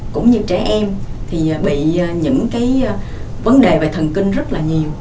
cũng như trẻ em bị những vấn đề về thần kinh rất nhiều